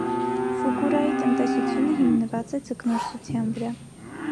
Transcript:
Ֆուկուրայի տնտեսությունը հիմնված է ձկնորսության վրա։